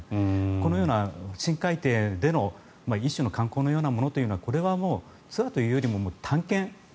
このような深海底での一種の観光のようなものはツアーというよりももう探検。